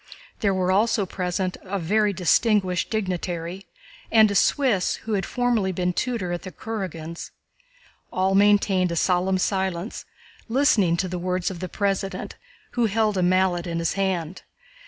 There were also present a very distinguished dignitary and a Swiss who had formerly been tutor at the Kurágins'. All maintained a solemn silence, listening to the words of the President, who held a mallet in his hand.